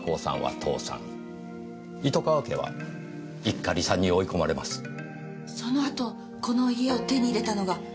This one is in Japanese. その後この家を手に入れたのが天城真？